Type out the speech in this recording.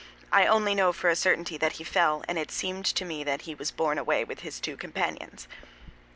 I only know for a certainty that he fell; and it seemed to me that he was borne away with his two companions."